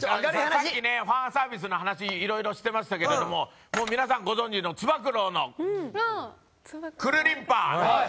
さっきねファンサービスの話いろいろしてましたけれども皆さんご存じのつば九郎のくるりんぱ。